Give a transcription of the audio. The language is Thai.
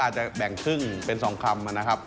จะแบ่งครึ่งเป็น๒คำนะครับ